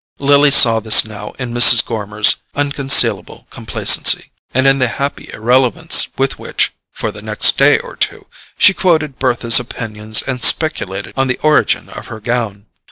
Lily saw this now in Mrs. Gormer's unconcealable complacency, and in the happy irrelevance with which, for the next day or two, she quoted Bertha's opinions and speculated on the origin of her gown.